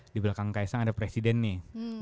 di belakang kaisang ada presiden nih